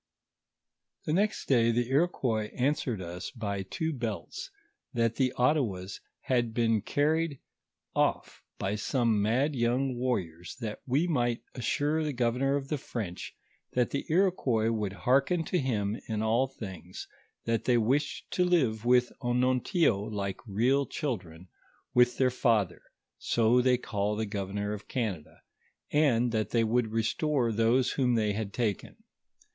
The next day the Iroquois answered us by two belts, that the Ottawas had been carried off by some mad yonng war riors ; that we might assure the governor of the French, that the Iroquois would hearken to him in all things ; that they wished to live with Onontio like real children with their father (so they call the governor of Canada), and that they would restore those whom they had taken.